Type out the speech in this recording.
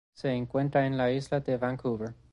Se encuentra en la Isla de Vancouver.